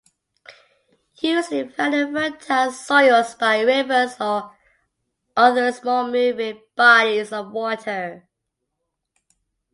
Usually found in fertile soils by rivers or other small moving bodies of water.